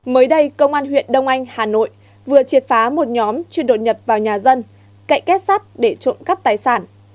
mới đây công an huyện đông anh hà nội vừa triệt phá một nhóm chuyên đột nhập vào nhà dân cậy kết sát để trộm cắp tài sản